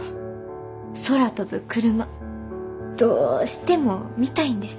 空飛ぶクルマどうしても見たいんです。